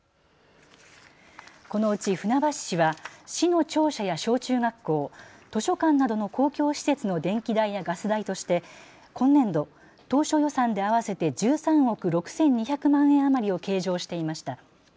このうち船橋市は市の庁舎や小中学校、図書館などの公共施設の電気代やガス代として今年度当初予算で合わせて１３億６２００万円余りを計上していました。